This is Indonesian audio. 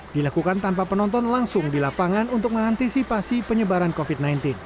dilakukan tanpa penonton langsung di lapangan untuk mengantisipasi penyebaran covid sembilan belas